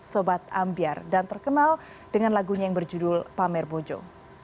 sobat ambiar dan terkenal dengan lagunya yang berjudul pamer bojo